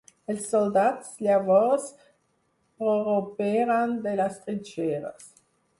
Els soldats, llavors, prorromperen de les trinxeres.